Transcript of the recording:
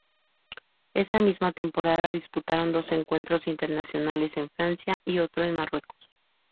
Esa misma temporada disputaron dos encuentros internacionales en Francia y otro en Marruecos.